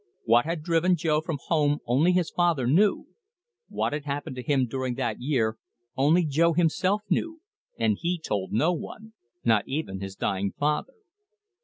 What had driven Jo from home only his father knew; what had happened to him during that year only Jo himself knew, and he told no one, not even his dying father.